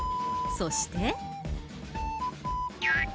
そして。